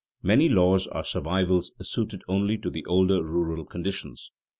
Many laws are survivals suited only to the older rural conditions.